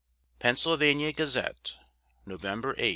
Pennsylvania Gazette, November 8, 1759.